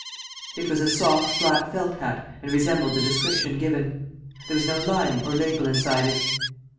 It was a soft, black felt hat and resembled the description given. There was no lining or label inside it.